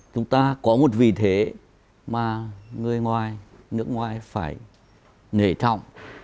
chúng ta có một vị thế mà người ngoài nước ngoài phải nể trọng